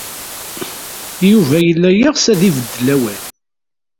Yuba yella yeɣs ad ibeddel awal.